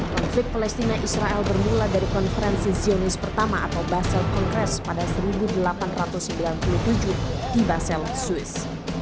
konflik palestina israel bermula dari konferensi zionis pertama atau basel confest pada seribu delapan ratus sembilan puluh tujuh di basel swiss